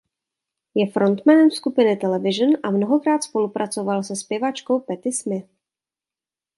Je frontmanem skupiny Television a mnohokrát spolupracoval se zpěvačkou Patti Smith.